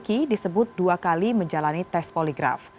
ki disebut dua kali menjalani tes poligraf